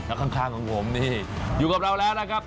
แล้วข้างของผมนี่อยู่กับเราแล้วนะครับ